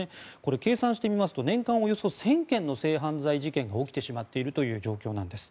計算してみますと年間１０００件の性犯罪事件が起きてしまっているということです。